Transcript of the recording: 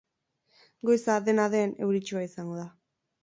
Goiza, dena den, euritsua izango da.